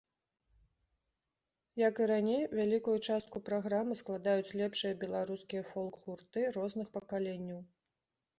Як і раней, вялікую частку праграмы складаюць лепшыя беларускія фолк-гурты розных пакаленняў.